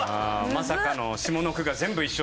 まさかの下の句が全部一緒。